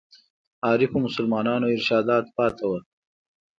عارفو مسلمانانو ارشادات پاتې وو.